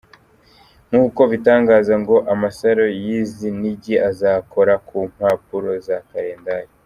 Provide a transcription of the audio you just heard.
Nk’uko abitangaza, ngo amasaro y’izi nigi ayakora mu mpapuro za kalendari.